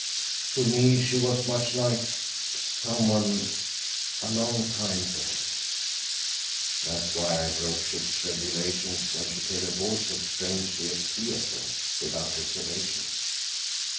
To me she was much like—someone—a long time dead. That's why I broke ship's regulations when she came aboard so strangely at Seattle, without reservation.